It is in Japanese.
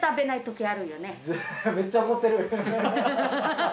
めっちゃ怒ってる。